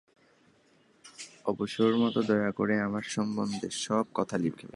অবসরমত দয়া করে আমার সম্বন্ধে সব কথা লিখবে।